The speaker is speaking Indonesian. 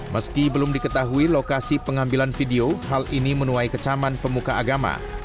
meski belum diketahui lokasi pengambilan video hal ini menuai kecaman pemuka agama